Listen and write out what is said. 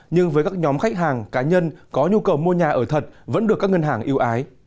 nhưng với các nhóm khách hàng cá nhân có nhu cầu mua nhà ở thật vẫn được các ngân hàng yêu ái